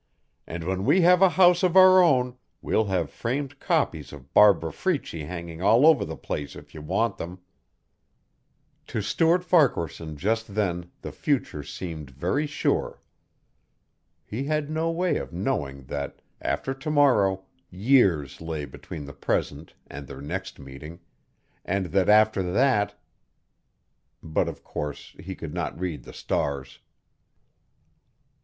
"And when we have a house of our own we'll have framed copies of Barbara Freitchie hanging all over the place if you want them." To Stuart Farquaharson just then the future seemed very sure. He had no way of knowing that after to morrow years lay between the present and their next meeting and that after that but of course he could not read the stars.